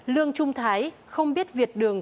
lương trung thái không biết việt đường